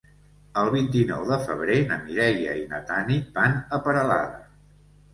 El vint-i-nou de febrer na Mireia i na Tanit van a Peralada.